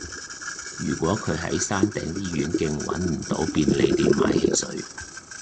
如果佢喺山頂醫院徑搵唔到便利店買汽水